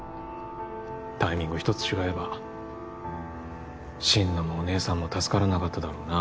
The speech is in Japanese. タイミングひとつ違えば心野もお姉さんも助からなかっただろうな。